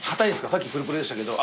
さっきプルプルでしたけど。